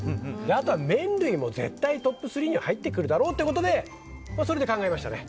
あとは麺類も絶対トップ３には入ってくるだろうということでそれで考えましたね。